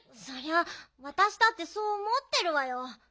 そりゃわたしだってそうおもってるわよ。